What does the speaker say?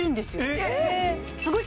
えっ！